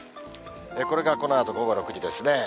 これがこのあと午後６時ですね。